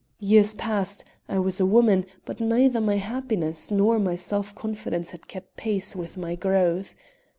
"Years passed. I was a woman, but neither my happiness nor my self confidence had kept pace with my growth.